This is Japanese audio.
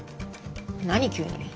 何急に。